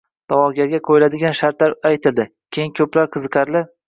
da’vogarlarga qo‘yiladigan shartlar aytildi. Keyin ko‘plab «qiziqarli»